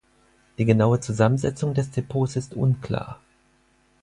Die genaue Zusammensetzung des Depots ist unklar.